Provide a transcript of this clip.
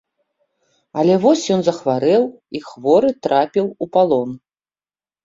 Але вось ён захварэў і хворы трапіў у палон.